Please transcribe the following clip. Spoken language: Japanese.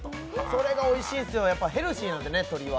それがおいしいんですよ、ヘルシーなんでね、鶏は。